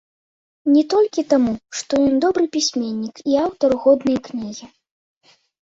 Не толькі таму, што ён добры пісьменнік і аўтар годнай кнігі.